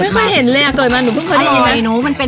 กันไม่ค่อยเห็นเลยอะเกิดมาเพิ่งเห็นเห็น